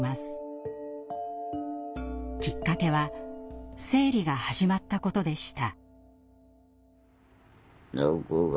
きっかけは生理が始まったことでした。